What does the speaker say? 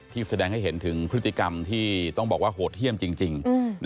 แสดงให้เห็นถึงพฤติกรรมที่ต้องบอกว่าโหดเยี่ยมจริง